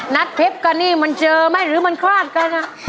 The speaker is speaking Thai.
นัดเผ็บกันนี่มันเจอไหมหรือมันคาดกันอ่ะ